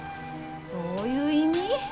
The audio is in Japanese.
どういう意味？